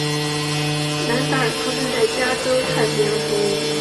兰达尔出生在加州太平洋丛林。